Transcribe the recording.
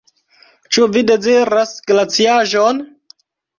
Ĉu vi deziras glaciaĵon?